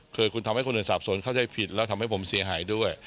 คือคุณทำให้คนอื่นสาบสนเข้าใจผิดแล้วทำให้ผมเสียหายด้วย